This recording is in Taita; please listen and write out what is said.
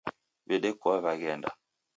W'edekua waghenda